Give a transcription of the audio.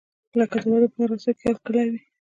لکه د واده په مراسمو کې هرکلی وي.